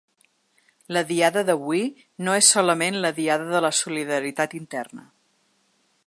La Diada d’avui no és solament la Diada de la solidaritat interna.